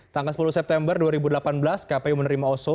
tanggal sepuluh september dua ribu delapan belas kpu menerima oso